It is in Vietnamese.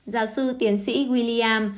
giáo sư tiến sĩ william